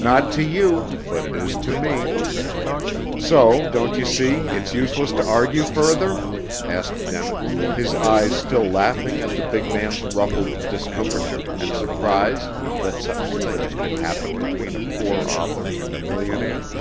"Not to you, but it is to me. So, don't you see, it's useless to argue further?" asked Denin, his eyes still laughing at the big man's ruffled discomfiture and surprise that such things could happen between a poor author and a millionaire.